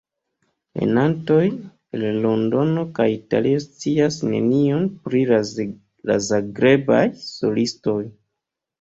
Lernantoj el Londono kaj Italio scias nenion pri la Zagrebaj solistoj.